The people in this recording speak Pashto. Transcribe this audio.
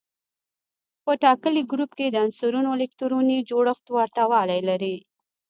په ټاکلي ګروپ کې د عنصرونو الکتروني جوړښت ورته والی لري.